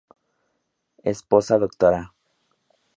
Esposa Dra.